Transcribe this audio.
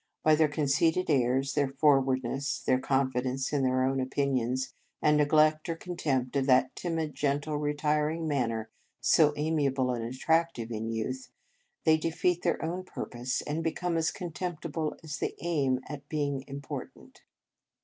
By their conceited airs, their forwardness, their confi dence in their own opinions, and neglect or contempt of that timid, gentle, retiring manner, so amiable and attractive in youth, they defeat their own purpose, and become as contemptible as they aim at being important."